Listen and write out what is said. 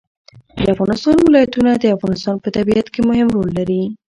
د افغانستان ولايتونه د افغانستان په طبیعت کې مهم رول لري.